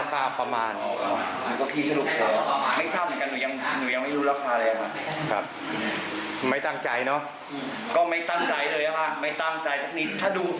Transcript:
ก็ไม่ตั้งใจเลยครับค่ะไม่ตั้งใจสักนิด